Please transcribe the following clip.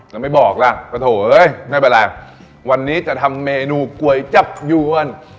แล้วไม่บอกล่ะปะโถเอ้ยไม่เป็นไรวันนี้จะทำเมนูก๋วยจับยวน